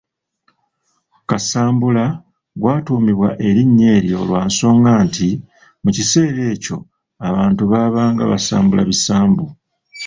Kasambula gwatuumibwa erinnya eryo lwa nsonga nti, mu kiseera ekyo abantu baabanga basambula bisambu.